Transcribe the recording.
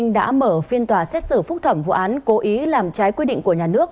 đã mở phiên tòa xét xử phúc thẩm vụ án cố ý làm trái quy định của nhà nước